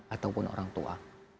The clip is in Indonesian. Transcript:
ataupun orang tua